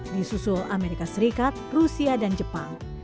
di susul amerika serikat rusia dan jepang